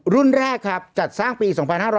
รุ่นแรกครับจัดสร้างปี๒๕๕๙